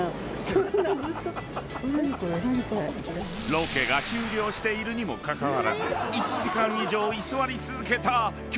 ［ロケが終了しているにもかかわらず１時間以上居座り続けた恭子さんでした］